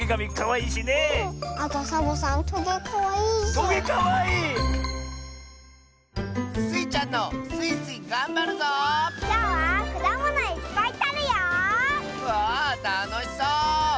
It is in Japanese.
わあたのしそう！